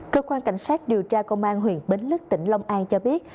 cơ quan cảnh sát điều tra công an huyện bến lức tỉnh long an cho biết